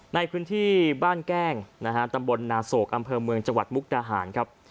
ในพื้นที่บ้านแก้งนะฮะตำบลนาโศกอำเภอเมืองจังหวัดมุกดาหารครับ